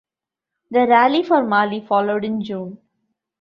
The Rally for Mali followed in June.